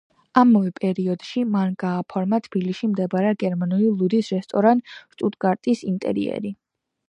ამავე პერიოდში მან გააფორმა თბილისში მდებარე გერმანული ლუდის რესტორან „შტუტგარტის“ ინტერიერი.